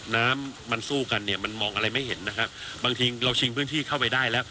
น้ำมันสู้กันเนี่ยมันมองอะไรไม่เห็นนะครับบางทีเราชิงพื้นที่เข้าไปได้แล้ว